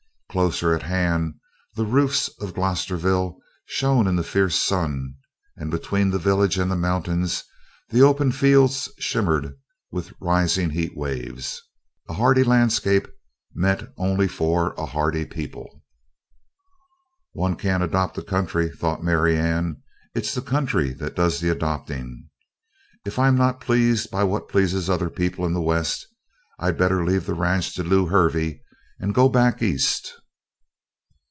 Closer at hand the roofs of Glosterville shone in the fierce sun and between the village and the mountains the open fields shimmered with rising heat waves. A hardy landscape meant only for a hardy people. "One can't adopt a country," thought Marianne, "it's the country that does the adopting. If I'm not pleased by what pleases other people in the West, I'd better leave the ranch to Lew Hervey and go back East."